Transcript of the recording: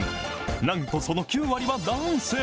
なんとその９割は男性。